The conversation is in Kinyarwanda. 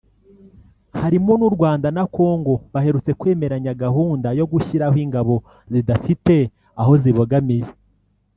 harimo n’u Rwanda na Congo baherutse kwemeranya gahunda yo gushyiraho ingabo zidafite aho zibogamiye